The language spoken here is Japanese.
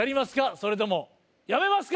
それともやめますか？